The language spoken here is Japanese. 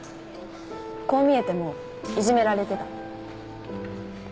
こう見えてもいじめられてた。